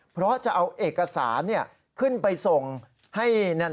เพราะจะเอาเอกสารขึ้นไปส่งให้